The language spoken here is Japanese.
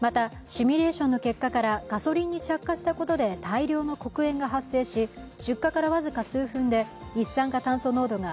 シミュレーションの結果からガソリンに着火したことで大量の黒煙が発生し、出火から僅か数分で一酸化炭素濃度が